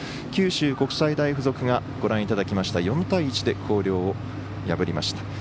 九州国際大付属がご覧いただきました４対１で広陵を破りました。